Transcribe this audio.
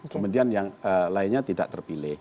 kemudian yang lainnya tidak terpilih